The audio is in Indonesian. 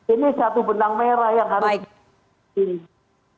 ini satu benang merah yang harus di